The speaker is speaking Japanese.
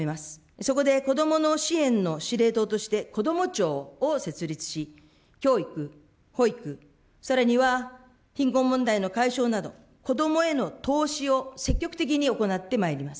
そこで子どもの支援の司令塔として、子ども庁を設立し、教育、保育、さらには貧困問題の解消など、子どもへの投資を積極的に行ってまいります。